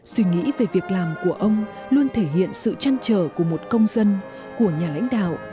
suy nghĩ về việc làm của ông luôn thể hiện sự trăn trở của một công dân của nhà lãnh đạo